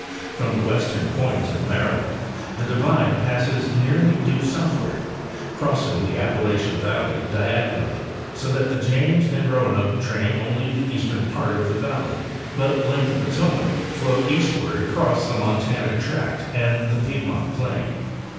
From the western point of Mary land the divide passes nearly due southward, crossing the Appa lachian valley diagonally, so that the James and Roanoke drain only the eastern part of the valley, but, like the Potomac, flow east ward across the montanic tract and the piedmont plain.